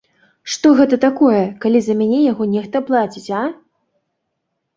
Што гэта такое, калі за мяне яго нехта плаціць, а?